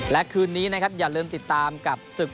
และคืนนี้นะครับอย่าลืมติดตามกับศึก